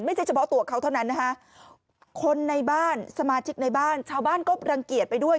เฉพาะตัวเขาเท่านั้นนะคะคนในบ้านสมาชิกในบ้านชาวบ้านก็รังเกียจไปด้วย